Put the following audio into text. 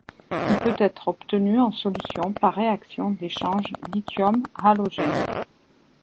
Il peut être obtenu en solution par réaction d'échange lithium-halogène.